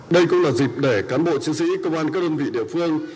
đây cũng là dịp để cán bộ chiến sĩ công an các đơn vị địa phương